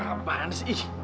ngah apaan sih